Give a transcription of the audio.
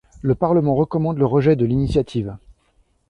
Le parlement recommande le rejet de l’initiative.